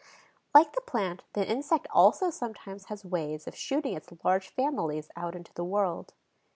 Like the plant, the insect also sometimes has ways of shooting its large families out into the world.